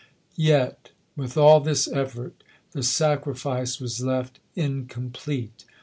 Yet, with all this effort, the sacrifice was left in complete.